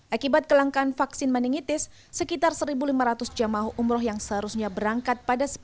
akibat kelangkaan vaksin meningitis sekitar seribu lima ratus jamaah umroh yang seharusnya berangkat pada